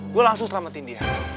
gue langsung selamatin dia